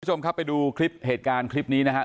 คุณผู้ชมครับไปดูคลิปเหตุการณ์คลิปนี้นะครับ